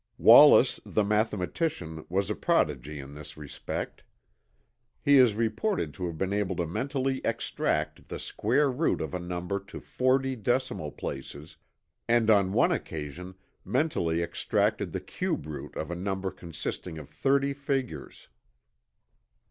Wallis the mathematician was a prodigy in this respect. He is reported to have been able to mentally extract the square root of a number to forty decimal places, and on one occasion mentally extracted the cube root of a number consisting of thirty figures.